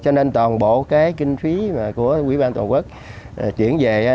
cho nên toàn bộ cái kinh phí mà của quỹ ban toàn quốc chuyển về á